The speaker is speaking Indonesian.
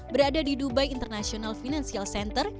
berada di dubai international financial center